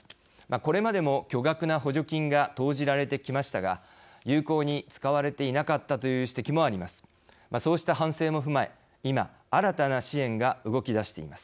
これまでも巨額な補助金が投じられてきましたが有効に使われていなかったという指摘もあります。